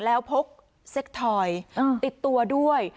แล้วพกเซ็กทอยติดตัวด้วย